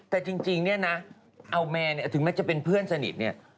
แต่จริงเนี่ยนะถึงมันจะเป็นเพื่อนสนิทเนี่ย